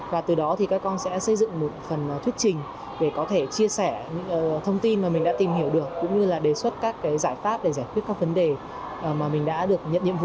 và từ đó thì các con sẽ xây dựng một phần thuyết trình để có thể chia sẻ những thông tin mà mình đã tìm hiểu được cũng như là đề xuất các giải pháp để giải quyết các vấn đề mà mình đã được nhận nhiệm vụ